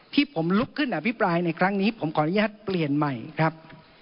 ที่ผมลุกขึ้นอภิปรายในครั้งนี้ผมขออนุญาตเปลี่ยนใหม่ครับ